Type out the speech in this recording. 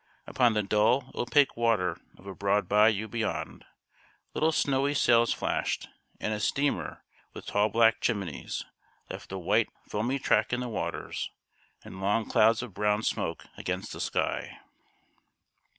Upon the dull, opaque water of a broad bayou beyond, little snowy sails flashed, and a steamer, with tall black chimneys, left a white, foamy track in the waters, and long clouds of brown smoke against the sky.